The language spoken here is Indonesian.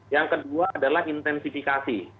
yang kedua adalah intensifikasi